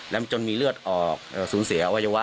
แล้วจนมีเลือดออกสูญเสียอวัยวะ